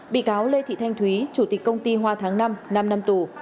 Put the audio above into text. bị cáo lê thị thanh thúy chủ tịch công ty hoa tháng năm năm tù